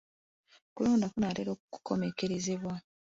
Okulonda kunaatera okukomekkerezebwa.